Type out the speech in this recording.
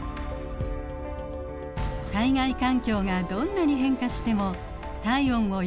体外環境がどんなに変化しても体温を一定に保つことができます。